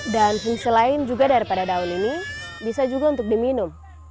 dan fungsi lain juga daripada daun ini bisa juga untuk diminum